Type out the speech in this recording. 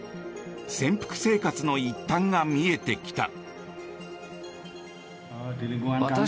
潜伏生活の一端が見えてきた。